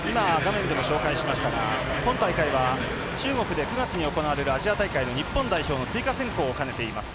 今大会は中国で９月に行われるアジア大会の日本代表の追加選考を兼ねています。